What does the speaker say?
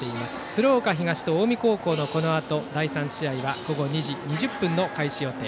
鶴岡東と近江高校のこのあと第３試合は午後２時２０分の開始予定。